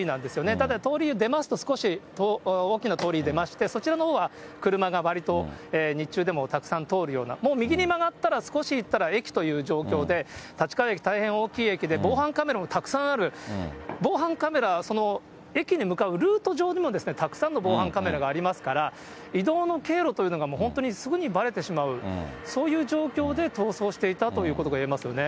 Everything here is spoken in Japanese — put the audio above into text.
ただ、通りに出ますと、少し大きな通りに出まして、そちらのほうは車はわりと、日中でもたくさん通るような、右に曲がったら、少し行ったら駅という状況で、立川駅、大変大きい駅で、防犯カメラもたくさんある、防犯カメラ、その駅に向かうルート上にもたくさんの防犯カメラがありますから、移動の経路というのが、本当にすぐにばれてしまう、そういう状況で逃走していたということがいえますよね。